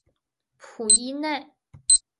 普伊奈。